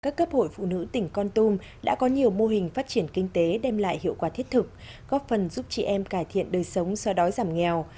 các cấp hội phụ nữ tỉnh con tum đã có nhiều mô hình phát triển kinh tế đem lại hiệu quả thiết thực góp phần giúp chị em cải thiện đời sống so đói giảm nghèo